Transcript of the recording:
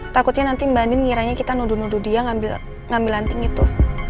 takutnya nanti mbak andin ngiranya kita nudu nudu dia ngambil anting itu